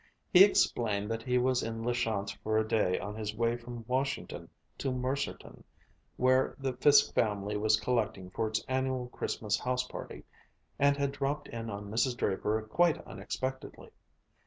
He explained that he was in La Chance for a day on his way from Washington to Mercerton, where the Fiske family was collecting for its annual Christmas house party, and had dropped in on Mrs. Draper quite unexpectedly.